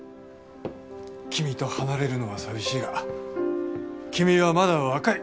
君と離れるのは寂しいが君はまだ若い。